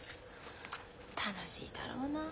楽しいだろうなあ。